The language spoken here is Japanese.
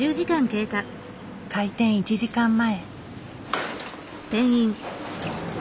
開店１時間前。